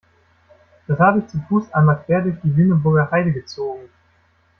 Das habe ich zu Fuß einmal quer durch die Lüneburger Heide gezogen.